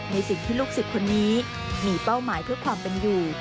ในสิ่งที่ลูกศิษย์คนนี้มีเป้าหมายเพื่อความเป็นอยู่